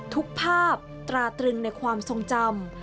ทุกภาพตราตรึงในความทรงจำ